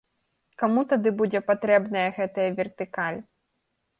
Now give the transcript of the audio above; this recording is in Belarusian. Каму тады будзе патрэбная гэтая вертыкаль?